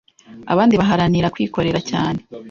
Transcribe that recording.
abandi baharanira kwikorera cyane